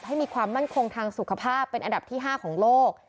ให้มีความมั่นคงทางสุขภาพเป็นอันดับที่๕ของโลก